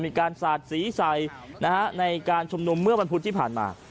มีการสาดสีใส่ในการชุมนุมเมื่อวันพุธที่ผ่านมา